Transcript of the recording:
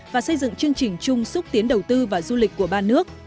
và xây dựng chương trình chung xúc tiến đầu tư và du lịch của ba nước